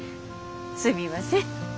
すみません。